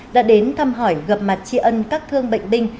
đã đến thăm hỏi gặp mặt tri ân các thương bệnh binh